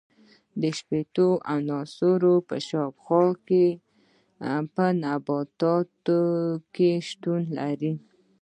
شپیتو عنصرونو په شاوخوا کې په نباتاتو کې شتون لري.